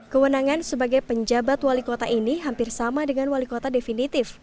kewenangan sebagai penjabat wali kota ini hampir sama dengan wali kota definitif